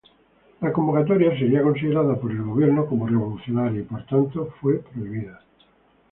La convocatoria sería considerada por el Gobierno como revolucionaria y, por tanto, fue prohibida.